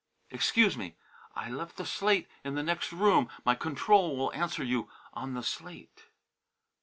Excuse me! I left the slate in the nex' room. My control will answer you on the slate."